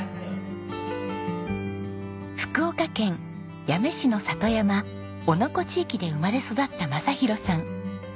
福岡県八女市の里山男ノ子地域で生まれ育った雅啓さん。